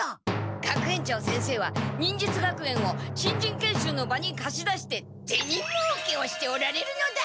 学園長先生は忍術学園を新人研修の場にかし出してゼニもうけをしておられるのだ！